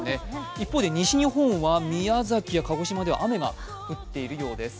一方で西日本は宮崎や鹿児島では雨が降っているようです。